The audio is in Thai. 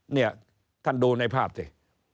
นี่ท่านดูในภาพเถอะ